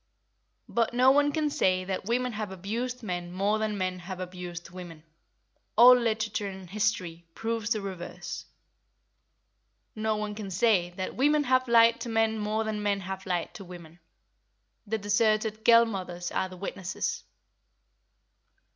But no one can say that women have abused men more than men have abused women—all literature and history proves the reverse. No one can say that women have lied to men more than men have lied to women; the deserted girl mothers are the witnesses.